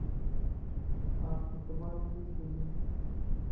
آن فٽبال تي ڪڏين